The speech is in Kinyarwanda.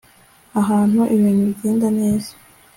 ahantu ibintu bigenda neza